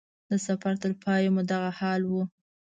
د سفر تر پای مو دغه حال و.